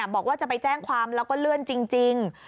บอกว่าจะไปแจ้งความแล้วก็เลื่อนจริง